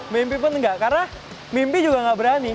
mimpi pun enggak karena mimpi juga nggak berani